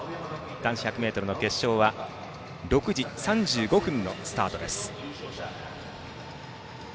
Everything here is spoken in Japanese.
男子１００ｍの決勝は午後６時３５分のスタートです。